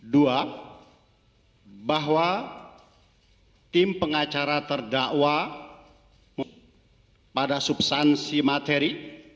dua bahwa tim pengacara terdakwa pada substansi materi